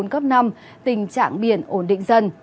các vùng biển ổn định dần